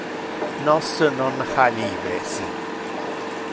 Nos non ha nive ci.